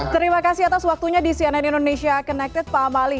terima kasih atas waktunya di cnn indonesia connected pak amali